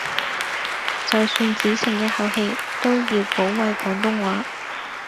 就算只剩一口氣都要保衛廣東話